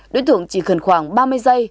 đối tượng chỉ cần khoảng ba mươi giây